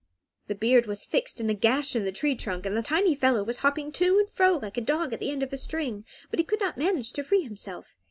The beard was fixed in a gash in the tree trunk, and the tiny fellow was hopping to and fro, like a dog at the end of a string, but he could not manage to free himself.